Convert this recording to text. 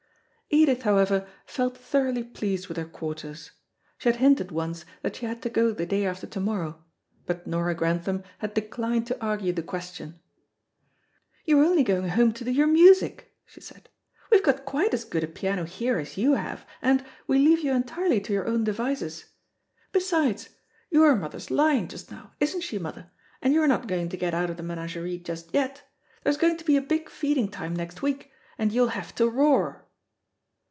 Edith, however, felt thoroughly pleased with her quarters. She had hinted once that she had to go the day after to morrow, but Nora Grantham had declined to argue the question. "You're only going home to do your music," she said. "We've got quite as good a piano here as you have, and, we leave you entirely to your own devices. Besides, you're mother's lion just now isn't she, mother? and you're not going to get out of the menagerie just yet. There is going to be a big feeding time next week, and you will have to roar."